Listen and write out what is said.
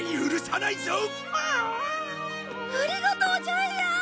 ありがとうジャイアン！